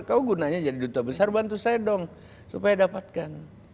kamu gunanya jadi duta besar bantu saya dong supaya dapatkan